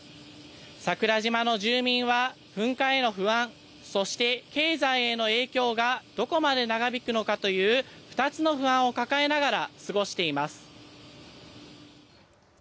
桜島の住民は噴火への不安、そして経済への影響がどこまで長引くのかという２つの不安を抱えながら過ごしています。